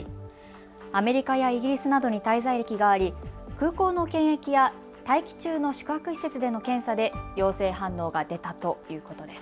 アメリカやイギリスなどに滞在歴があり空港の検疫や待機中の宿泊施設での検査で陽性反応が出たということです。